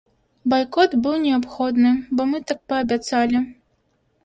Байкот быў неабходны, бо мы так паабяцалі.